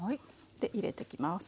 で入れてきます。